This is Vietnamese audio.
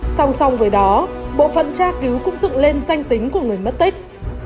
song song với đó bộ phận tra cứu cũng dựng lên danh tính của người mất tích